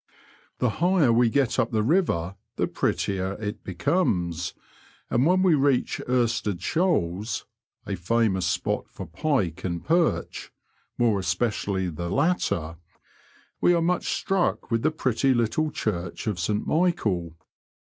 The higher we get up the river, the prettier it becomes, and when we reach Irstead Shoals (a famous spot for pike and .perch — more especially the latter) we are much struck with the pretty little church of St Michael.